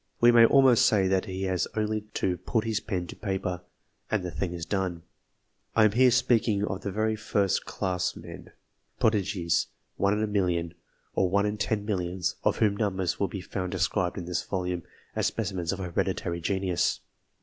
We may almost say that he has only to put his m to paper, and the thing is done. I am here speaking of the very first class men prodigies one in a million, or one in ten millions, of whom numbers will be found described this volume, as specimens of hereditary genius.